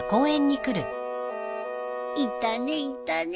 いたねいたね。